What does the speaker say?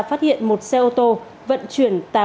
phát hiện một xe ô tô vận chuyển